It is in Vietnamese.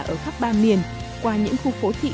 ở khắp ba miền qua những khu phố thị